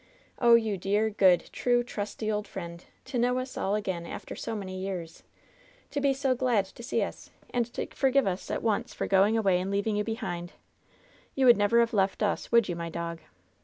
"Oh, you dear, good, true, trusty old fellow ! To know us all again after so many years ! To be so glad to see us ! And to forgive us at once for going away and leav 140 LOVE'S BITTEREST CUP ing you behind. You would never have left us, would you, my dog?